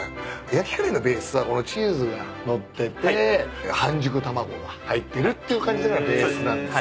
焼きカレーのベースはこのチーズが載ってて半熟卵が入ってるっていう感じがベースなんです。